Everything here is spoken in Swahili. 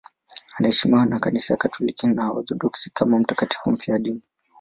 Anaheshimiwa na Kanisa Katoliki na Waorthodoksi kama mtakatifu mfiadini.